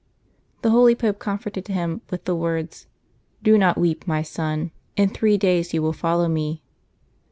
The holy Pope comforted him with the words, ^^Do not weep, my son; in three days 5^ou will follow me."